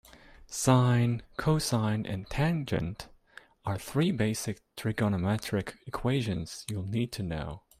Sine, cosine and tangent are three basic trigonometric equations you'll need to know.